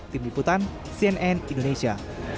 tim liputan cnn indonesia